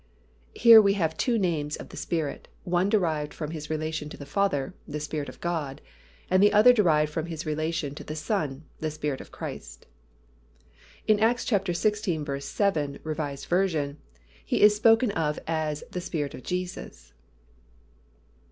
Here we have two names of the Spirit, one derived from His relation to the Father, "the Spirit of God," and the other derived from His relation to the Son, "the Spirit of Christ." In Acts xvi. 7, R. V., He is spoken of as "the Spirit of Jesus."